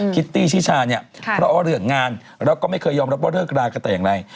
ิตตี้ชิชาเนี่ยเพราะว่าเรื่องงานแล้วก็ไม่เคยยอมรับว่าเลิกรากันแต่อย่างไร